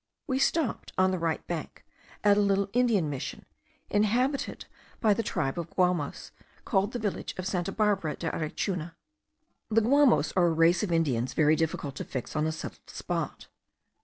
We stopped, on the right bank, at a little Indian mission, inhabited by the tribe of the Guamos, called the village of Santa Barbara de Arichuna. The Guamos* are a race of Indians very difficult to fix on a settled spot.